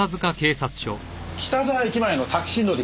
北沢駅前のタクシー乗り場ね。